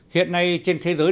hiện nay trên thế giới